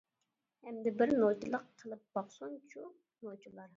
ئەمدى بىر نوچىلىق قىلىپ باقسۇن چۇ نوچىلار!